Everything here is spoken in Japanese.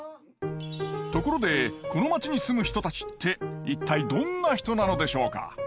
ところでこの町に住む人たちって一体どんな人なのでしょうか？